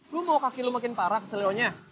lo mau kaki lo makin parah keselionya